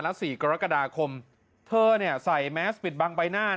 และ๔กรกฎาคมเธอใส่แมสปิดบังใบหน้า